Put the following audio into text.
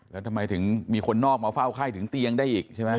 แล้วทำไมถึงมีคนนอกมาเฝ้าไข้ถึงเตียงได้อีกใช่ไหม